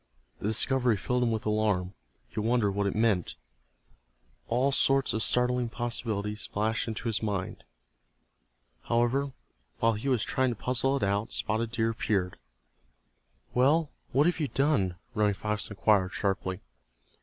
The discovery filled him with alarm. He wondered what it meant. All sorts of startling possibilities flashed into his mind. However, while he was trying to puzzle it out Spotted Deer appeared. "Well, what have you done?" Running Fox inquired, sharply.